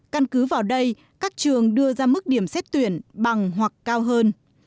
căn cứ vào đây các trường đưa ra mức điểm xét tuyển bằng hoặc cao hơn